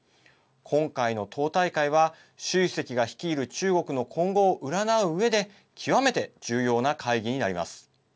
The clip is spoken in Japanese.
今回の党大会は習首席が率いる中国の今後を占ううえで極めて重要な会議になります。